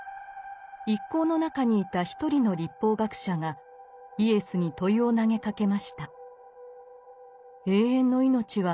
一行の中にいた一人の律法学者がイエスに問いを投げかけました。